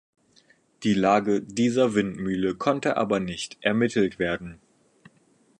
Die Lage dieser Windmühle konnte aber nicht ermittelt werden.